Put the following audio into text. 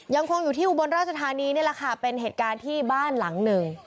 ยังคงอยู่ที่อุบลราชธานีนี่แหละค่ะเป็นเหตุการณ์ที่บ้านหลังหนึ่ง